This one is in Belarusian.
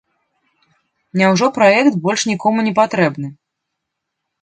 Няўжо праект больш нікому не патрэбны?